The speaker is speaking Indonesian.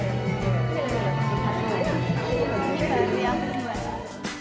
ini baru yang kedua